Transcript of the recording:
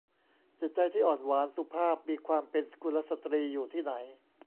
จิตใจที่อ่อนหวาน สุภาพ มีความเป็นกุลสตรีอยู่ที่ไหน